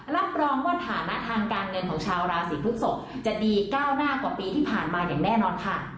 รับรองว่าฐานะทางการเงินของชาวราศีพฤกษกจะดีก้าวหน้ากว่าปีที่ผ่านมาอย่างแน่นอนค่ะ